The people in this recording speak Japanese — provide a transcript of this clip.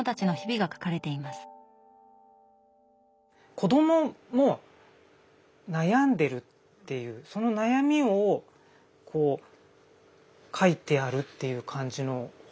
子供も悩んでるっていうその悩みを書いてあるっていう感じの本なんですよね。